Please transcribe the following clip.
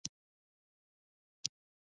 کیمیا په اصل کې د څه شي څیړنه ده.